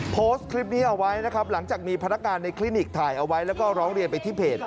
โพสต์คลิปนี้เอาไว้นะครับหลังจากมีพนักงานในคลินิกถ่ายเอาไว้แล้วก็ร้องเรียนไปที่เพจ